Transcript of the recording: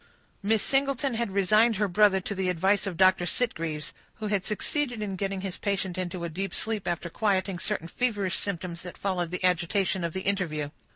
Miss Singleton had resigned her brother to the advice of Dr. Sitgreaves, who had succeeded in getting his patient into a deep sleep after quieting certain feverish symptoms that followed the agitation of the interview.